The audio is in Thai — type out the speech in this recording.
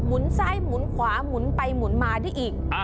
ซ้ายหมุนขวาหมุนไปหมุนมาได้อีก